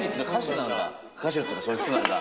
歌手というかそういう人なんだ。